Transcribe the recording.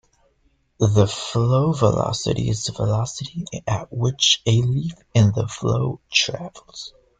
The flow velocity is the velocity at which a leaf in the flow travels.